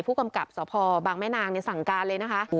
ผู้กำกับสพบางแม่นางสั่งการเลยนะคะ